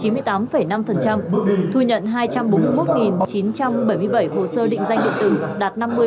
hiện nay toàn tỉnh đã thu nhận được bốn trăm sáu mươi chín hai trăm bốn mươi chín hồ sơ cân cước công dân đạt chín mươi tám năm